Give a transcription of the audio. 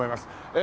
え